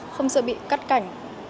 không sợ bị cắt cảnh